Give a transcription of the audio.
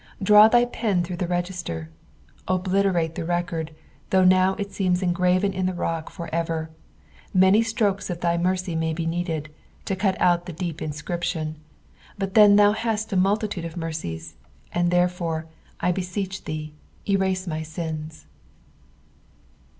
Draw thy pen through tho register. Obliterate the record, though now it seems cngtaren in the rock for ever ; many strokes of thy mercy may be needed, to cut out the deep inscription, but then thou hast a multitude of mercies, and therefore, I beseech thee, erase my iiins.